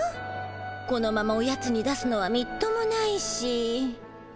このままおやつに出すのはみっともないしそうだ！